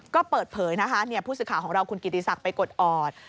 ก็เปิดเผยนะคะผู้สื่อข่าวของเราคุณกิติศักดิ์ไปกดออด